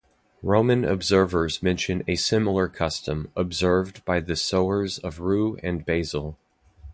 Roman writers mention a similar custom observed by the sowers of rue and basil.